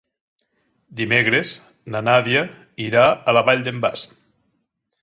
Dimecres na Nàdia irà a la Vall d'en Bas.